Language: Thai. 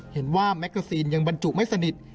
เห็นว่าแมกโกซีนยังบรรจุไม่สนิท